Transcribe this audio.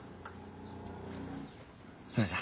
それじゃ。